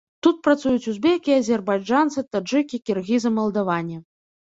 Тут працуюць узбекі, азербайджанцы, таджыкі, кіргізы, малдаване.